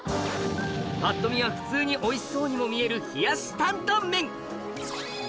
パッと見は普通においしそうにも見える冷やし担担麺